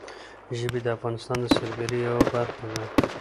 ژبې د افغانستان د سیلګرۍ یوه برخه ده.